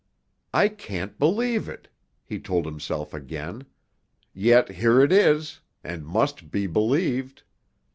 "I can't believe it!" he told himself again. "Yet here it is—and must be believed!